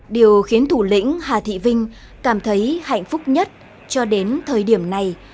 điều khiến thủ lĩnh hà thị vinh cảm thấy hạnh phúc nhất cho đến thời điểm này